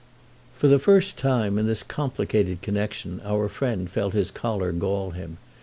For the first time, in this complicated connexion, our friend felt his collar gall him.